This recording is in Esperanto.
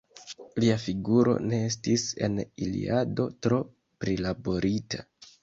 Lia figuro ne estis en Iliado tro prilaborita.